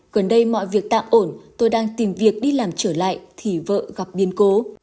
gần đây mọi việc tạm ổn tôi đang tìm việc đi làm trở lại thì vợ gặp biên cố